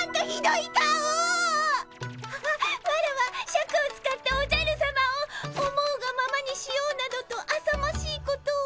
シャクを使っておじゃるさまを思うがままにしようなどとあさましいことを。